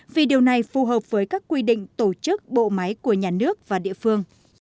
vì điều này phù hợp với các quy định tổ chức bộ máy của nhà nước và địa phương